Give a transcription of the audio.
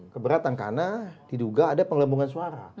keberatan karena diduga ada pengembungan suara